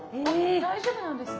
大丈夫なんですね？